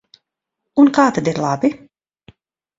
Un kā tad ir labi?